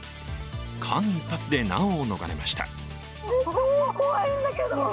間一髪で難を逃れました。